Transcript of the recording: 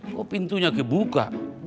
kok pintunya kebuka